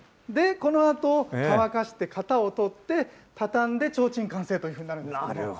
このあと、乾かして型を取って、畳んで、ちょうちん完成となります。